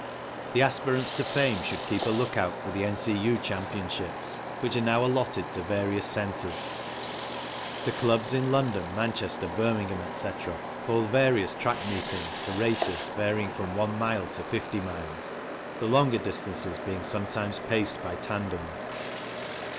The aspirants to fame should keep a look out for the N.C.U. Championships which are now allotted to various centres. The clubs in London, Manchester, Birmingham, etc., hold various track meetings for races varying from one mile to fifty miles, the longer distances being sometimes paced by tandems.